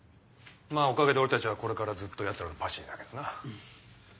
まぁおかげで俺たちはこれからずっとヤツらのパシリだけどな。